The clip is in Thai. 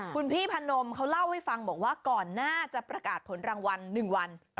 คุณพี่พนมเขาเล่าให้ฟังบอกว่าก่อนหน้าจะประกาศผลรางวัล๑วัน